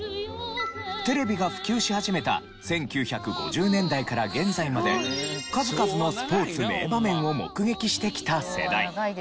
テレビが普及し始めた１９５０年代から現在まで数々のスポーツ名場面を目撃してきた世代。